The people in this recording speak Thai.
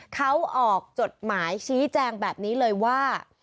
เขาออกจดหมายชี้แจงแบบนี้เลยว่า